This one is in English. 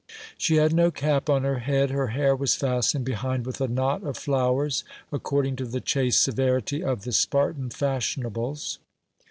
She had no cap on her head ; her hair was fastened hehind with a knot of flowers, according to the chaste severity of the Spartan fashionables.